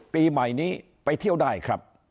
ปีใหม่นี้ไปเที่ยวได้ครับ